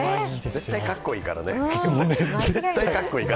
絶対かっこいいからね。